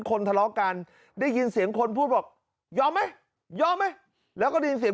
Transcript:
คนทะเลาะกันได้ยินเสียงคนพูดบอกยอมไหมยอมไหมแล้วก็ได้ยินเสียง